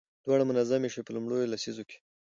دواړه منظمې شوې. په لومړيو لسيزو کې